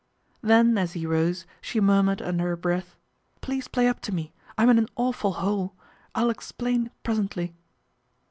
Then as he rose she murmured under her breath, " Please play up to me, I'm in an awful hole. I'll explain presently."